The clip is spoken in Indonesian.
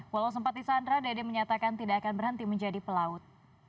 walau sempat disandra dede menyatakan tidak akan berhenti menjadi pelaut